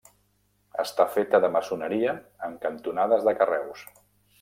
Està feta de maçoneria amb cantonades de carreus.